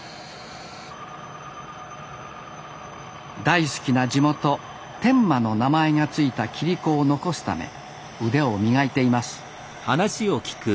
大好きな地元天満の名前が付いた切子を残すため腕を磨いています